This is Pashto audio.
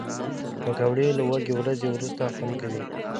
پکورې له وږې ورځې وروسته خوند کوي